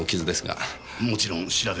もちろん調べます。